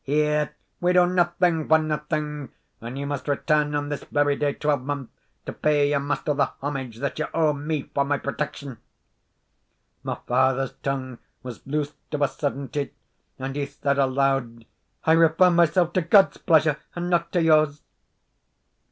HERE we do nothing for nothing; and you must return on this very day twelvemonth to pay your master the homage that you owe me for my protection." My father's tongue was loosed of a suddenty, and he said aloud, "I refer myself to God's pleasure, and not to yours."